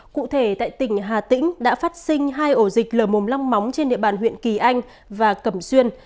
cụ thể tại tỉnh hà tĩnh đã phát sinh hai ổ dịch lở mồm long móng trên địa bàn huyện kỳ anh và cẩm xuyên